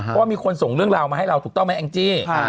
เพราะว่ามีคนส่งเรื่องราวมาให้เราถูกต้องไหมแองจี้